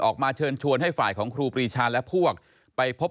ออกมาเชิญชวนให้ฝ่ายของครูปรีชาและพวกไปพบ